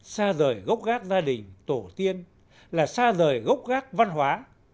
xa rời gốc gác gia đình tổ tiên là xa rời gốc gác văn hóa